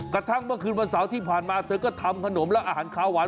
กระทั่งเมื่อคืนวันเสาร์ที่ผ่านมาเธอก็ทำขนมและอาหารขาวหวาน